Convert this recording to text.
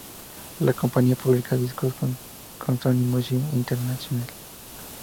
La compañía publica discos con Sony Music Entertainment.